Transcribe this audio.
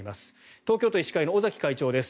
東京都医師会の尾崎会長です。